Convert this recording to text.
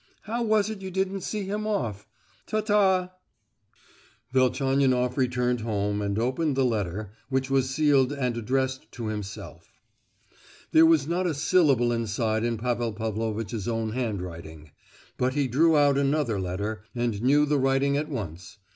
How was it you didn't see him off? Ta ta!" Velchaninoff returned home and opened the letter, which was sealed and addressed to himself. There was not a syllable inside in Pavel Pavlovitch's own hand writing; but he drew out another letter, and knew the writing at once.